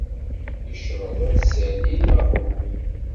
Yecreḍ ad s-salin aɣrud.